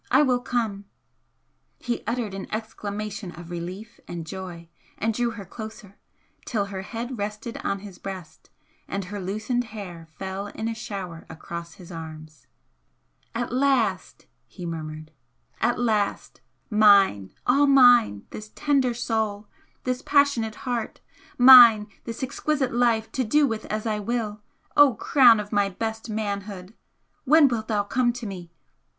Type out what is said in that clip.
I will come!" He uttered an exclamation of relief and joy, and drew her closer, till her head rested on his breast and her loosened hair fell in a shower across his arms. "At last!" he murmured "At last! Mine all mine this tender soul, this passionate heart! mine this exquisite life to do with as I will! O crown of my best manhood! when wilt thou come to me?"